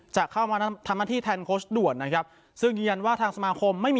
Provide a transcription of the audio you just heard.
จะเข้ามาทำหน้าที่แทนโค้ชด่วนนะครับซึ่งยืนยันว่าทางสมาคมไม่มี